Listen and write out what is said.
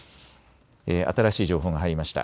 新しい情報が入りました。